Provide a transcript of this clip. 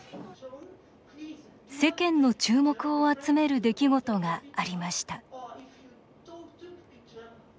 世間の注目を集める出来事がありました